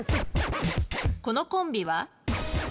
このコンビは？